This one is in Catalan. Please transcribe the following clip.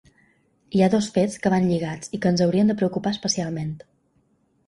Hi ha dos fets que van lligats i que ens haurien de preocupar especialment.